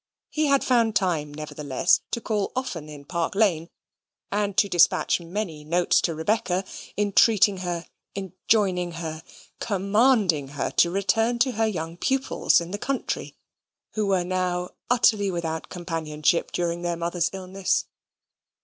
He had found time, nevertheless, to call often in Park Lane, and to despatch many notes to Rebecca, entreating her, enjoining her, commanding her to return to her young pupils in the country, who were now utterly without companionship during their mother's illness.